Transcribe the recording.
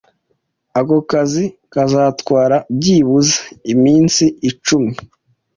Ako kazi kazatwara byibuze iminsi icumi.